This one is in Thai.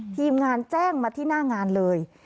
ทีมงานแจ้งมาที่หน้างานเลย